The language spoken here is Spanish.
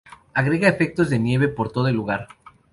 Agrega efectos de nieve por todo el lugar.